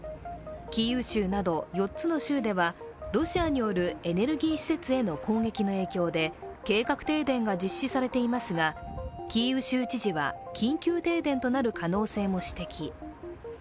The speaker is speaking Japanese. キーウ州など４つの州では、ロシアによるエネルギー施設への攻撃の影響で計画停電が実施されていますが、キーウ州知事は緊急停電となる可能性も指摘。